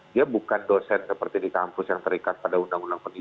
dia bukan dosen seperti di kampus yang terikat pada undang undang pendidikan